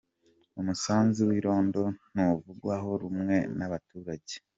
Umusanzu w’irondo ntuvugwaho rumwe n’abaturage